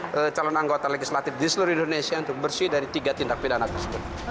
jadi calon anggota legislatif di seluruh indonesia untuk bersih dari tiga tindak pidana tersebut